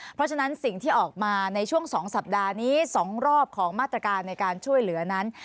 เพราะฉะนั้นสิ่งที่ออกมาในช่วง๒สัปดาห์นี้๒รอบของมาตรการในการช่วยเหลือนั้น